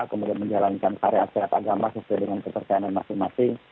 kemudian menjalankan karya sehat agama sesuai dengan ketersediaan masing masing